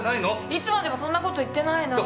いつまでもそんなこと言ってないの。